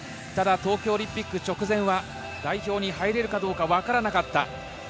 東京オリンピック直前は代表に入れるかどうか分からなかった。